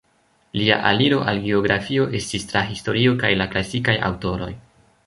Lia aliro al geografio estis tra historio kaj la klasikaj aŭtoroj.